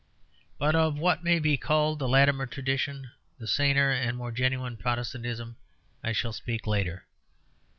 But of what may be called the Latimer tradition, the saner and more genuine Protestantism, I shall speak later.